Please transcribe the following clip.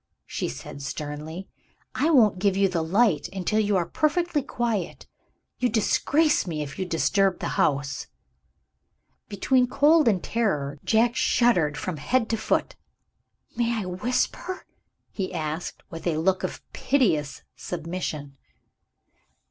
she said sternly. "I won't give you the light until you are perfectly quiet. You disgrace me if you disturb the house." Between cold and terror, Jack shuddered from head to foot. "May I whisper?" he asked, with a look of piteous submission. Mrs.